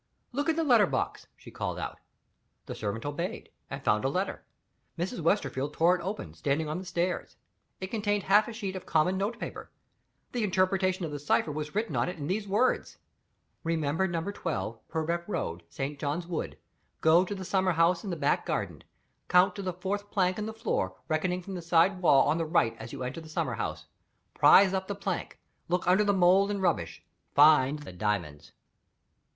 "Look in the letter box," she called out. The servant obeyed, and found a letter. Mrs. Westerfield tore it open, standing on the stairs. It contained half a sheet of common note paper. The interpretation of the cipher was written on it in these words: "Remember Number 12, Purbeck Road, St. John's Wood. Go to the summer house in the back garden. Count to the fourth plank in the floor, reckoning from the side wall on the right as you enter the summer house. Prize up the plank. Look under the mould and rubbish. Find the diamonds."